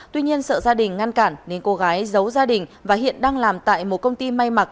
tuy nhiên sợ gia đình ngăn cản nên cô gái giấu gia đình và hiện đang làm tại một công ty may mặc